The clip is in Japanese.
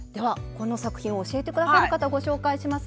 この作品を教えて下さる方ご紹介します。